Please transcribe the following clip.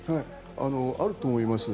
あると思います。